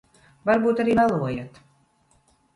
Varbūt arī melojat.